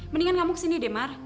mendingan kamu kesini deh mar